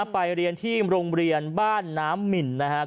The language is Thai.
ไปเรียนที่โรงเรียนบ้านน้ำหมินนะครับ